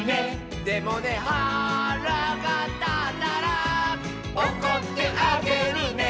「でもねはらがたったら」「おこってあげるね」